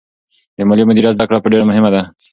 د مالي مدیریت زده کړه ډېره مهمه ده.